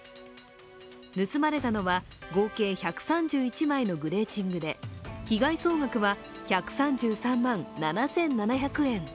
盗まれたのは合計１３１枚のグレーチングで被害総額は１３３万７７００円。